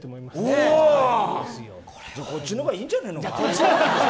こっちの方がいいんじゃねえのか。